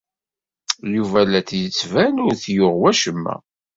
Yuba la d-yettban ur t-yuɣ wacemma.